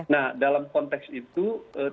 nah dalam konteks itu tantangan terberat